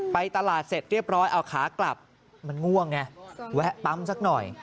ไปตลาดเสร็จเรียบร้อยเอาขากลับมันง่วงไงแวะปั๊มสักหน่อย